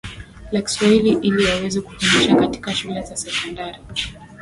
la Kiswahili ili waweze kufundisha katika shule za sekondari